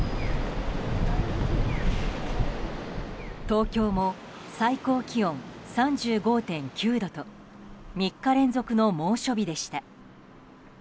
東京も最高気温３５．９度と３日連続の猛暑日でした。